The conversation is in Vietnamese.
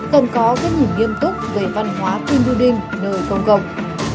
cần có gây nhìn nghiêm túc về văn hóa team building nơi công cộng